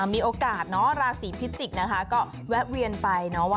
มีโอกาสเนอะราศีพิจิกษ์นะคะก็แวะเวียนไปเนาะ